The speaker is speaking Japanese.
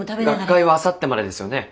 学会はあさってまでですよね？